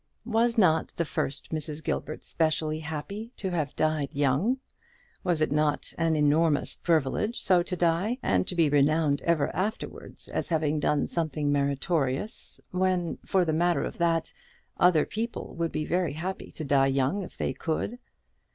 Was not the first Mrs. Gilbert specially happy to have died young? was it not an enormous privilege so to die, and to be renowned ever afterwards as having done something meritorious, when, for the matter of that, other people would be very happy to die young, if they could?